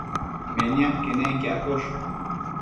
Meniac quenenquiaccosh